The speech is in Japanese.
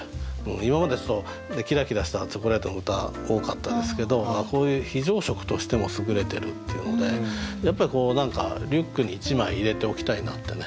今までですとキラキラしたチョコレートの歌多かったんですけどこういう非常食としてもすぐれてるっていうのでやっぱりリュックに一枚入れておきたいなってね。